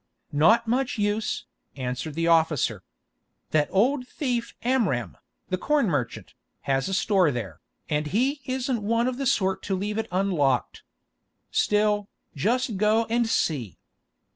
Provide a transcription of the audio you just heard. "Not much use," answered the officer. "That old thief Amram, the corn merchant, has a store there, and he isn't one of the sort to leave it unlocked. Still, just go and see."